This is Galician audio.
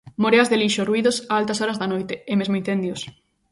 Moreas de lixo, ruídos a altas horas da noite, e mesmo incendios.